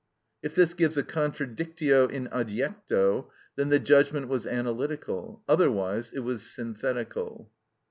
If this gives a contradictio in adjecto, then the judgment was analytical; otherwise it was synthetical.